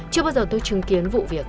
chưa bao giờ tôi chứng kiến vụ việc